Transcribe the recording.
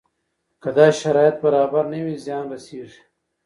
که دا شرایط برابر نه وي زیان رسېږي.